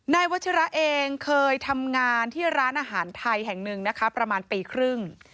วัชิระเองเคยทำงานที่ร้านอาหารไทยแห่งหนึ่งนะคะประมาณปีครึ่ง